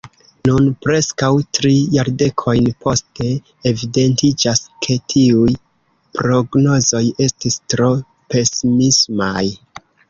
Nun, preskaŭ tri jardekojn poste, evidentiĝas ke tiuj prognozoj estis tro pesimismaj.